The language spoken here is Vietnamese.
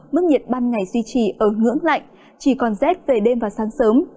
mức nhiệt ban ngày duy trì ở ngưỡng lạnh chỉ còn rét về đêm và sáng sớm